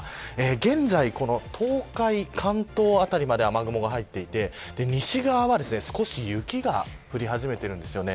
現在、東海、関東辺りまで雨雲が入っていて、西側は少し雪が降り始めているんですね。